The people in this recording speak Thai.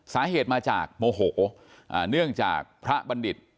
สาเหตุมาจากโมโหเนื่องจากพระบัณฑิต